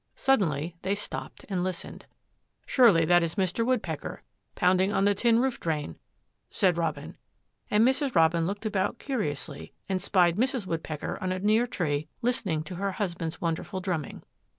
Suddenly they stopped and listened. "Surely that is Mr. Woodpecker pounding on the tin roof drain," said Robin; and Mrs. Robin looked about curiously and spied Mrs. Woodpecker on a near tree listening to her husband's wonderful drumming.